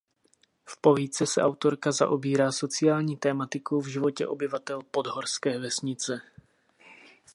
V povídce se autorka zaobírá sociální tematikou v životě obyvatel podhorské vesnice.